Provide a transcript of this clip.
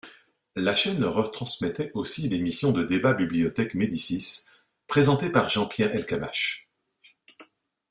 La chaîne retransmettait aussi l'émission de débat Bibliothèque Médicis présentée par Jean-Pierre Elkabbach.